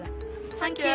サンキュー！